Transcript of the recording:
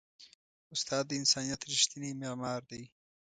استاد د انسانیت ریښتینی معمار دی.